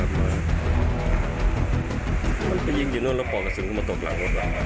มันไปยิงอยู่นั่นแล้วปล่อยกระสุนเข้ามาตกหลัง